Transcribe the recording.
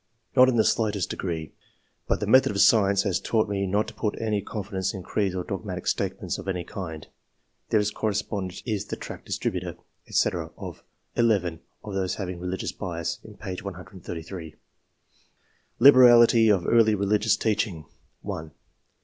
" Not in the slightest degree ; but the method of science has taught me not to put any confidence in creeds or dogmatic statements of any kind/' [This corre spondent is the tract distributor, &c., of (11) of those having "religious bias'' in p. 133.] Liberality of early religious teaching. — 1.